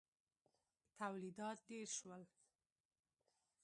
تولیدات ډېر شول.